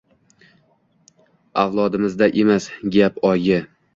Avlodimizda emas gap, oyi